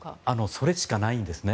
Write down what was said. それしかないんですね。